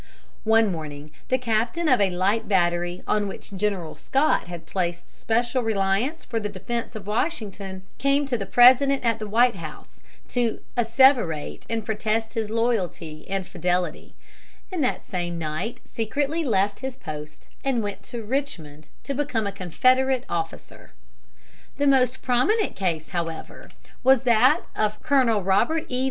One morning the captain of a light battery on which General Scott had placed special reliance for the defense of Washington came to the President at the White House to asseverate and protest his loyalty and fidelity; and that same night secretly left his post and went to Richmond to become a Confederate officer. The most prominent case, however, was that of Colonel Robert E.